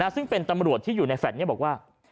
ซึ่งเป็นตำรวจที่อยู่ในแฟลต์นี้บอกว่า